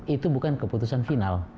itu bukan keputusan final